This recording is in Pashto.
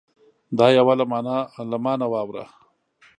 دا یوه له ما نه واوره